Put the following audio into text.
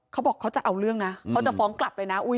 เขาบอกเขาจะเอาเรื่องนะเขาจะฟ้องกลับเลยนะ